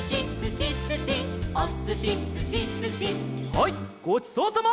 はいごちそうさま。